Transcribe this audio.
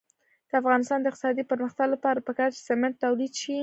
د افغانستان د اقتصادي پرمختګ لپاره پکار ده چې سمنټ تولید شي.